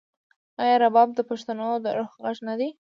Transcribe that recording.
آیا رباب د پښتنو د روح غږ نه دی؟